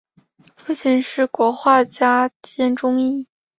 父亲是国画家兼中医。